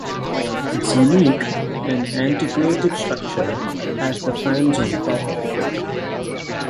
Its unique and antiquated structure has the fans on top of the court.